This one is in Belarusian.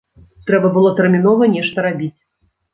Трэба было тэрмінова нешта рабіць.